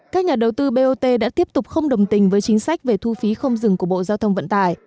các nhà đầu tư bot đã tiếp tục không đồng tình với chính sách về thu phí không dừng của bộ giao thông vận tải